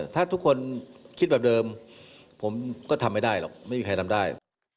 ถ้าทุกคนคิดแบบเดิมผมก็ทำไม่ได้หรอกไม่มีใครทำได้